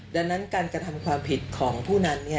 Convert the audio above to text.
ดังนั้นการกระทำความผิดของผู้นั้น